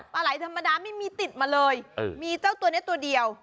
ปลาไหลธรรมดาไม่มีติดมาเลยมีเจ้าตัวนี้ตัวเดียว